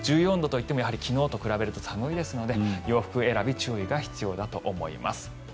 １４度といっても昨日と比べると寒いですので、洋服選び注意が必要だと思います。